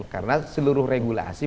karena seluruh regulasi